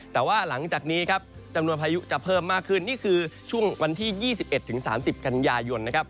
แต่ว่าหลังจากนี้ครับจำนวนพายุจะเพิ่มมากขึ้นนี่คือช่วงวันที่๒๑๓๐กันยายนนะครับ